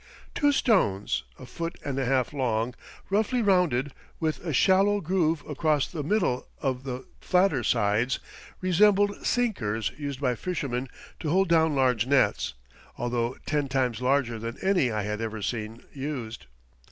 Two stones, a foot and a half long, roughly rounded, with a shallow groove across the middle of the flatter sides, resembled sinkers used by fishermen to hold down large nets, although ten times larger than any I had ever seen used.